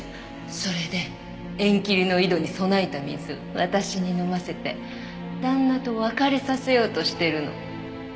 それで縁切りの井戸に供えた水私に飲ませて旦那と別れさせようとしてるの。